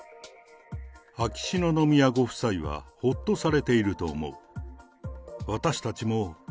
秋篠宮ご夫妻は、ほっとされていると思う。